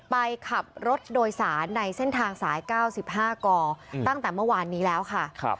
ไปขับรถโดยสารในเส้นทางสาย๙๕กตั้งแต่เมื่อวานนี้แล้วค่ะ